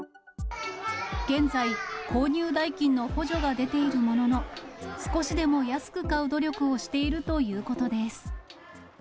現在、購入代金の補助が出ているものの、少しでも安く買う努力をしているということです。